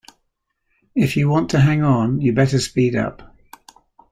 If you want to hang on you better speed up.